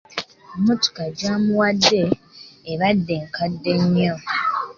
Emmotoka gy'amuwadde ebadde nkadde nnyo.